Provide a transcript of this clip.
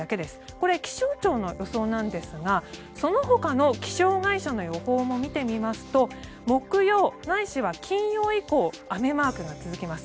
これ、気象庁の予想なんですがそのほかの気象会社の予報も見てみますと木曜ないしは金曜以降雨マークが続きます。